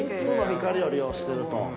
３つの光を利用してると。